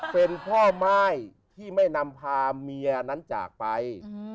เป็นพ่อม่ายที่ไม่นำพาเมียนั้นจากไป